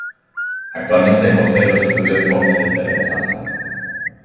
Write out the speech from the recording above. Actualmente posee los estudios Bomb Shelter en Los Angeles.